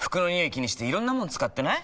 気にしていろんなもの使ってない？